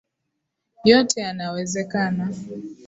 Yote yanawezekana .